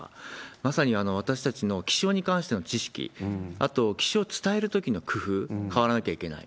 まさに私たちの気象に関しての知識、あと、気象を伝えるときの工夫、変わらなきゃいけない。